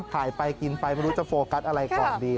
ถ่ายไปกินไปหรือจะโฟกัสอะไรก่อนดี